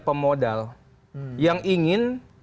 pemodal yang ingin